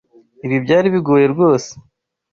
Ibi byari bigoye rwose.